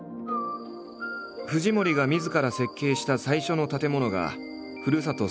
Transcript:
藤森がみずから設計した最初の建物がふるさと